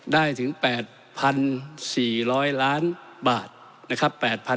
ได้ถึง๘๔๐๐ล้านบาทนะครับ